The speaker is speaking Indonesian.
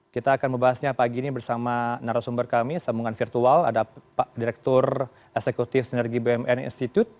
kita akan membahasnya pagi ini bersama narasumber kami sambungan virtual ada pak direktur eksekutif sinergi bumn institute